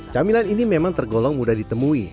camilan ini memang tergolong mudah ditemui